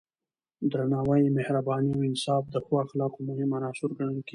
درناوی، مهرباني او انصاف د ښو اخلاقو مهم عناصر ګڼل کېږي.